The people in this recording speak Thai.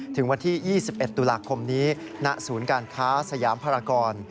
ถึงวันที่๒๑ตุลาคมนี้ณศูนย์การค้าสยามภารกร